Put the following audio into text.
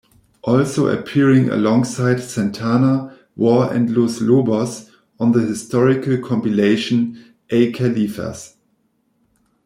Also appearing alongside Santana, War, and Los Lobos on the historical compilation Ay Califas!